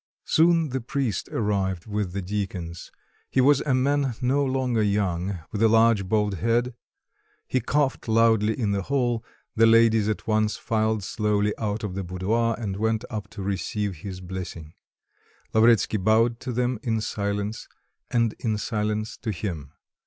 Soon the priest arrived with the deacons; he was a man no longer young, with a large bald head; he coughed loudly in the hall: the ladies at once filed slowly out of the boudoir, and went up to receive his blessing; Lavretsky bowed to them in silence; and in silence they bowed to him.